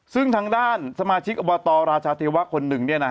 ซึ่งทางด้านสมาชิกอบตราชาเทวะคนหนึ่ง